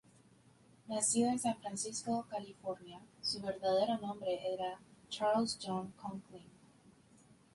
Nacido en San Francisco, California, su verdadero nombre era Charles John Conklin.